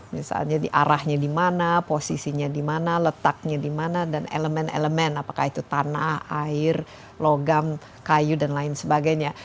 misalnya arahnya dimana posisinya dimana letaknya dimana dan elemen elemen apakah itu tanah air logam kayu dan lain sebagainya